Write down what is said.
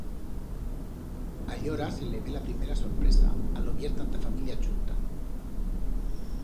Allora se levé la primera sorpresa, a lo vier tanta familia chunta.